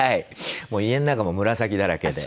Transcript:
もう家の中も紫だらけで。